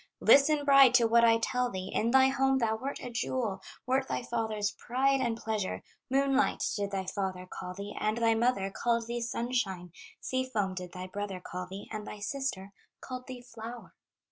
"Listen, bride, to what I tell thee: In thy home thou wert a jewel, Wert thy father's pride and pleasure, 'Moonlight,' did thy father call thee, And thy mother called thee 'Sunshine,' 'Sea foam' did thy brother call thee, And thy sister called thee 'Flower.